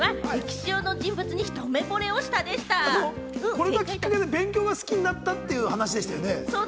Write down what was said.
これがきっかけで勉強が好きになったという話でしたよね？